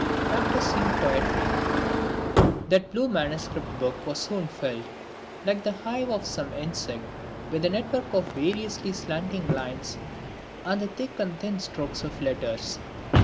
(9) Practising Poetry That blue manuscript book was soon filled, like the hive of some insect, with a network of variously slanting lines and the thick and thin strokes of letters.